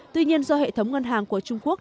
tuy nhiên do hệ thống ngân hàng của trung quốc